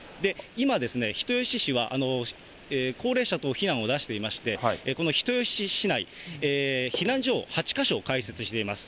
今、人吉市は高齢者等避難を出していまして、この人吉市内、避難所を８か所開設しています。